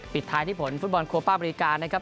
ปิดท้ายที่ผลฟุตบอลโคป้าบริการนะครับ